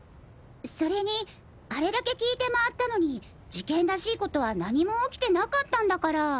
それにあれだけ聞いて回ったのに事件らしいことは何も起きてなかったんだから。